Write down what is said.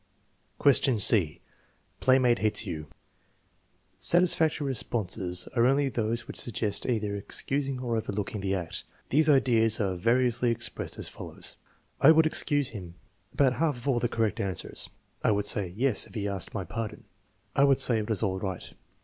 Question c (Playmate hits you) Satisfactory responses are only those which suggest either excus ing or overlooking the act. These ideas are variously expressed as TEST NO. Vm, 4 217 follows: "I would excuse him" (about half of all the correct an swers). "I would say *yes' if he asked my pardon.*' "I would say it was all right."